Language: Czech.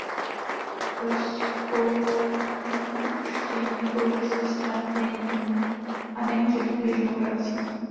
Rozpouštění politických stran není a nemůže být běžnou praxí.